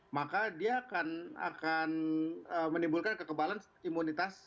maka dia akan menimbulkan kekebalan imunitas